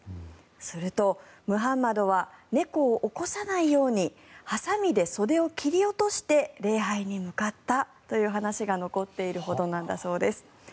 すると、ムハンマドは猫を起こさないようにハサミで袖を切り落として礼拝に向かったという話が残っているほどなんだそうです。